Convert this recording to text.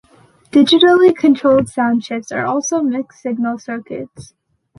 Digitally controlled sound chips are also mixed-signal circuits.